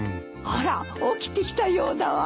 あら起きてきたようだわ。